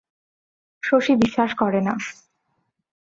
শশী বিশ্বাস করে না।